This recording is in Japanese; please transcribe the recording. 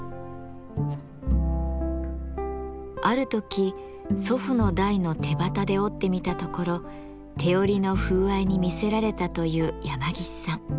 ある時祖父の代の手機で織ってみたところ手織りの風合いに魅せられたという山岸さん。